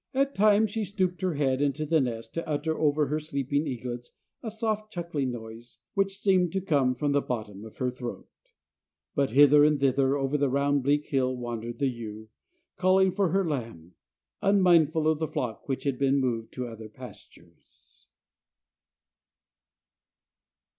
At times she stooped her head into the nest to utter over her sleeping eaglets a soft chuckling noise, which seemed to come from the bottom of her throat. But hither and thither over the round bleak hill wandered the ewe, calling for her lamb, unmindful of the flock, which had been moved to other pastures.